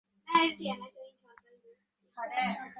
অনেকক্ষণ দুইজনে খাটিয়াটার উপরে পাশাপাশি চুপ করে বসে রইল।